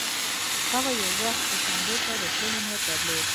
هغه یو وخت استانبول ته د تللو نیت درلود.